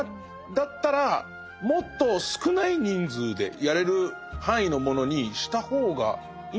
だったらもっと少ない人数でやれる範囲のものにした方がいいんじゃないか。